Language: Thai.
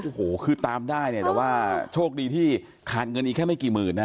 โอ้โหคือตามได้เนี่ยแต่ว่าโชคดีที่ขาดเงินอีกแค่ไม่กี่หมื่นนะ